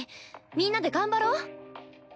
みんなで頑張ろう。